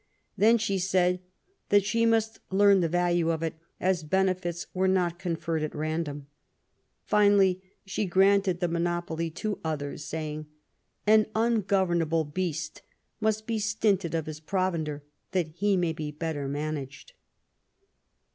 Then she said that "she must learn the value of it, as benefits were not conferred at random ". Finally she granted the monopoly to others, saying :An ungovernable beast must be stinted of his provender that he may be better managed